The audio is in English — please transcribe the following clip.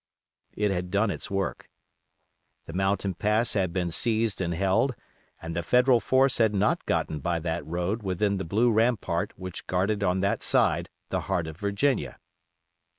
It had done its work. The mountain pass had been seized and held, and the Federal force had not gotten by that road within the blue rampart which guarded on that side the heart of Virginia.